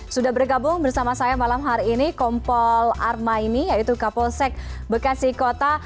sudah bergabung bersama saya malam hari ini kompol armaini yaitu kapolsek bekasi kota